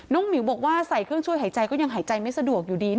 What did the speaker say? หมิวบอกว่าใส่เครื่องช่วยหายใจก็ยังหายใจไม่สะดวกอยู่ดี